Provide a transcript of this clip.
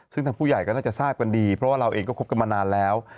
ซึ่งทางผู้ใหญ่ก็น่าจะทราบกันดีเพราะว่าเราเองก็คบกันมานานแล้ว